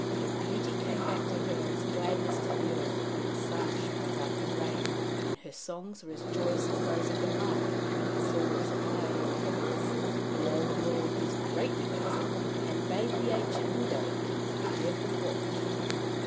Her beauty came back to her as gladness to the earth when the sun shines after rain, and her songs were as joyous as those of the lark when it soars high in the heavens. The old lord was greatly puzzled, and bade the ancient widow keep a careful watch.